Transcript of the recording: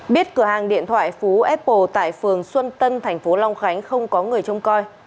biết cửa hàng điện thoại phú apple tại phường xuân tân thành phố long khánh không có người trông coi